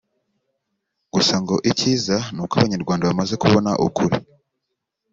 Gusa ngo icyiza ni uko Abanyarwanda bamaze kubona ukuri